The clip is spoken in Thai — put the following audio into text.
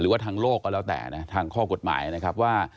ว่าทางโลกก็แล้วแต่นะทางข้อกฎหมายนะครับว่า